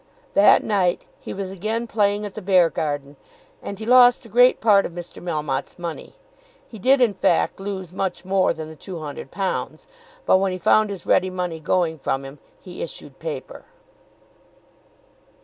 That night he was again playing at the Beargarden, and he lost a great part of Mr. Melmotte's money. He did in fact lose much more than the £200; but when he found his ready money going from him he issued paper.